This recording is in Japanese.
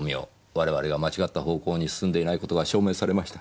我々が間違った方向に進んでいない事が証明されました。